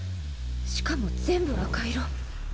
しかも全部赤色。